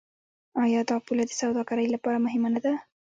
آیا دا پوله د سوداګرۍ لپاره مهمه نه ده؟